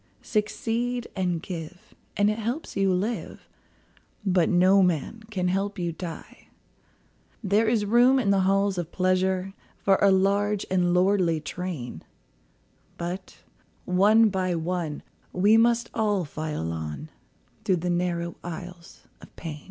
Succeed and give, and it helps you live, But no man can help you die. There is room in the halls of pleasure For a large and lordly train, But one by one we must all file on Through the narrow aisles of pain.